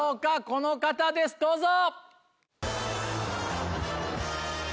この方ですどうぞ。